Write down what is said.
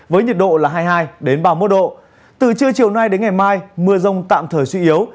với nhiệt độ là hai mươi hai ba mươi một độ từ trưa chiều nay đến ngày mai mưa rông tạm thời suy yếu